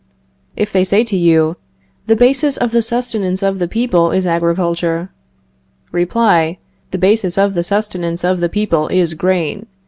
If they say to you: The basis of the sustenance of the people is agriculture Reply: The basis of the sustenance of the people is grain.